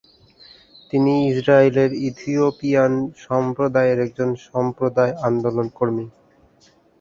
তিনি ইসরায়েলের ইথিওপিয়ান সম্প্রদায়ের একজন সম্প্রদায় আন্দোলনকর্মী।